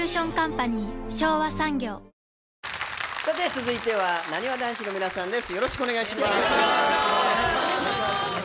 続いてはなにわ男子の皆さんです。